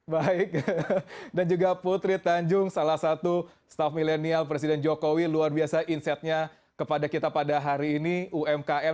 baik dan juga putri tanjung salah satu staff milenial presiden jokowi luar biasa insightnya kepada kita pada hari ini umkm